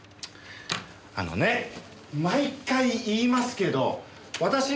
あのね毎回言いますけど私ね